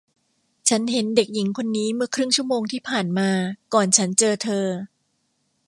ฉันเห็นเด็กหญิงคนนี้เมื่อครึ่งชั่วโมงที่ผ่านมาก่อนฉันเจอเธอ